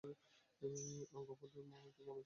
আকুপাঙ্কচারবিদ্যা মতে মানব শরীরে বারোটি চ্যানেল আছে।